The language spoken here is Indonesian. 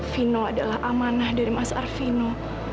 vino adalah amanah dari mas arvino